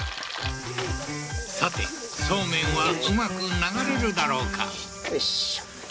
さてそうめんはうまく流れるだろうか？